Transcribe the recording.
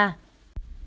truy tìm ba luật sư